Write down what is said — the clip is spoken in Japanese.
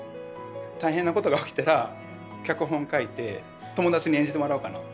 大変なことが起きたら脚本書いて友達に演じてもらおうかな。